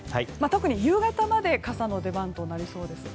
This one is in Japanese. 特に夕方まで傘の出番となりそうです。